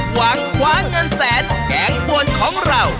หวังคว้าเงินแสนแกงป่วนของเรา